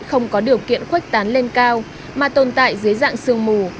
không có điều kiện khuếch tán lên cao mà tồn tại dưới dạng sương mù